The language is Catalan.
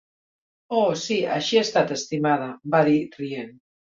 "Oh, sí, així ha estat, estimada", va dir rient.